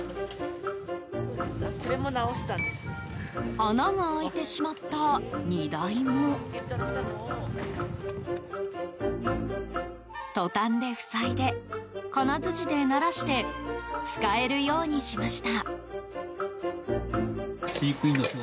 穴が開いてしまった荷台もトタンで塞いで金づちでならして使えるようにしました。